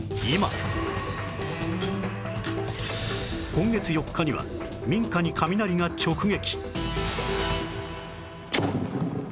今月４日には民家に雷が直撃